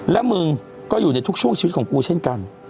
และมึงก็อยู่ในทุกช่วงชีวิตของกูเช่นกัน